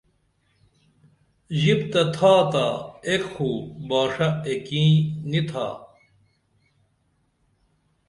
ژِپ تہ تھاتا ایک خو باݜہ ایکیں نی تھا